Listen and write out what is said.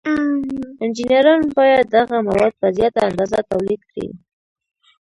انجینران باید دغه مواد په زیاته اندازه تولید کړي.